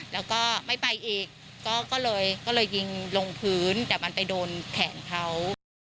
แล้วก็ไม่ไปอีกก็เลยยิงลงพื้นแต่มันไปโดนแขนเขา